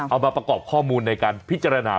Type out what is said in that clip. เอามาประกอบข้อมูลในการพิจารณาด้วยนะครับ